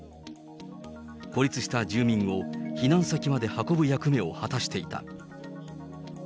孤立した住民を避難先まで運ぶ役目を果たしていた。